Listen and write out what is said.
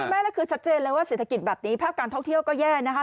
ไม่แล้วคือชัดเจนเลยว่าเศรษฐกิจแบบนี้ภาพการท่องเที่ยวก็แย่นะคะ